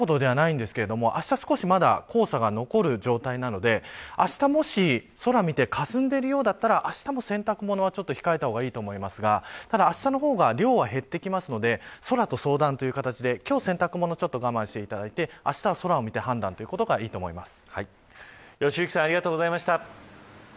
今日ほどではないんですけどあした少し、まだ黄砂が残る状態なのであした、もし空を見てかすんでいるようだったらあしたも洗濯物控えたほうがいいと思いますがあしたの方は量が減ってくるので空と相談という形で今日は洗濯物を我慢してあしたは空を見て判断ということがいいと思います。